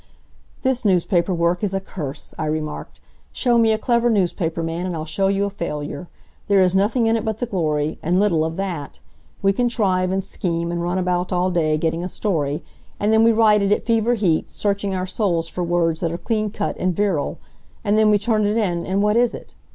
"This newspaper work is a curse," I remarked. "Show me a clever newspaper man and I'll show you a failure. There is nothing in it but the glory and little of that. We contrive and scheme and run about all day getting a story. And then we write it at fever heat, searching our souls for words that are cleancut and virile. And then we turn it in, and what is it?